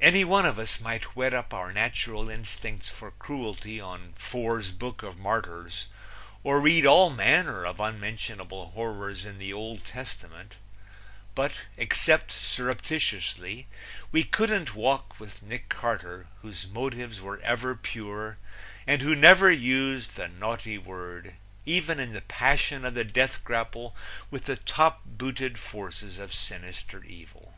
Any one of us might whet up our natural instincts for cruelty on Fore's Book of Martyrs, or read of all manner of unmentionable horrors in the Old Testament, but except surreptitiously we couldn't walk with Nick Carter, whose motives were ever pure and who never used the naughty word even in the passion of the death grapple with the top booted forces of sinister evil.